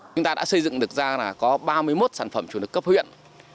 chúng ta đã xây dựng được ra là có ba mươi một sản phẩm chủ lực cấp huyện